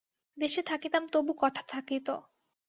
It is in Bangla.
দেশে থাকিতাম তবু কথা থাকিত।